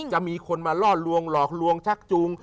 จะมีคนมาล่อลวงหลอกลวงชักจูง